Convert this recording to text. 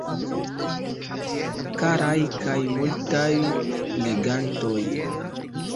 Karaj kaj multaj legantoj.